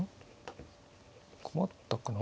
困ったかな？